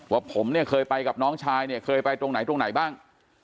ว่าผมเนี่ยเคยไปกับน้องชายเนี่ยเคยไปตรงไหนตรงไหนบ้าง